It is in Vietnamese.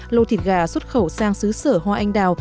lô thịt gà xuất khẩu sang xứ sở hoa anh đào